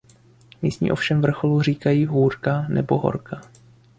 Místní ovšem vrcholu říkají Hůrka nebo Horka.